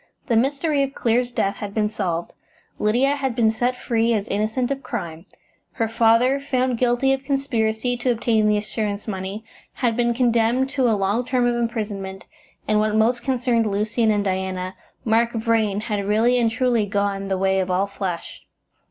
The mystery of Clear's death had been solved; Lydia had been set free as innocent of crime; her father, found guilty of conspiracy to obtain the assurance money, had been condemned to a long term of imprisonment, and, what most concerned Lucian and Diana, Mark Vrain had really and truly gone the way of all flesh.